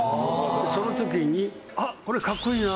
その時に「あっこれかっこいいな」